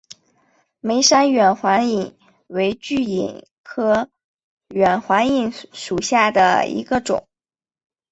梅山远环蚓为巨蚓科远环蚓属下的一个种。